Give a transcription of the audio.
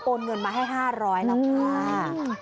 โปรดเงินมาให้๕๐๐ล้อมค่ะ